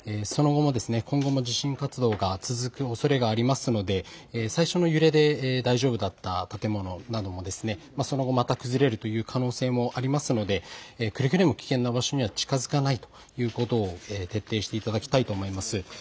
今後も地震活動が続くおそれがありますので最初の揺れで大丈夫だった建物などでもその後、また崩れるという可能性もありますのでくれぐれも危険な場所には近づかないということを徹底していただきたいと思います。